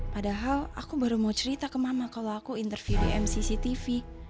padahal aku baru mau cerita ke mama kalau aku interview di mcc tv